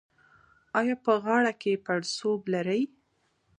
ایا په غاړه کې پړسوب لرئ؟